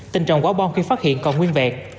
tình trọng quả bom khi phát hiện còn nguyên vẹt